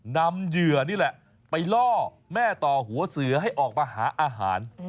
เหยื่อนี่แหละไปล่อแม่ต่อหัวเสือให้ออกมาหาอาหาร